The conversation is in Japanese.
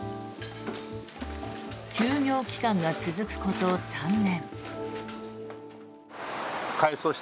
休業期間が続くこと３年。